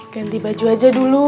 ganti baju aja dulu